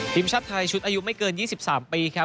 ทีมชาติไทยชุดอายุไม่เกิน๒๓ปีครับ